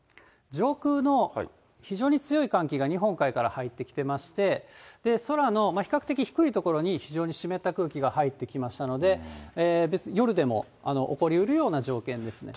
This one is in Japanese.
上空の非常に強い寒気が日本海から入ってきてまして、空の比較的低い所に、非常に湿った空気が入ってきましたので、夜でも起こりうるような条件ですね。